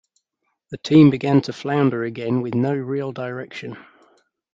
The team began to flounder again with no real direction.